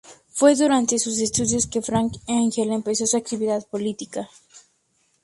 Fue durante sus estudios que Frank Engel empezó su actividad política.